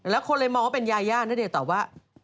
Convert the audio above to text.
แล้วคนเลยมองว่าเป็นยาย่าณเดชน์ตอบว่า